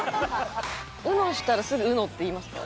『ＵＮＯ』したらすぐＵＮＯって言いますか？